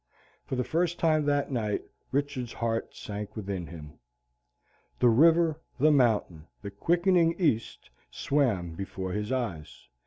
For the first time that night Richard's heart sank within him. The river, the mountain, the quickening east, swam before his eyes.